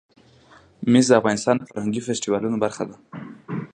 مس د افغانستان د فرهنګي فستیوالونو برخه ده.